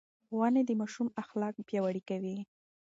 ښوونې د ماشوم اخلاق پياوړي کوي.